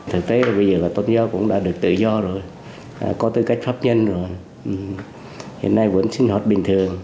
thực tế bây giờ là tôn giáo cũng đã được tự do rồi có tư cách pháp nhân rồi hiện nay vẫn sinh hoạt bình thường